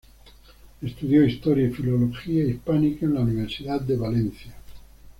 Estudió Historia y Filología hispánica en la Universidad de Valencia.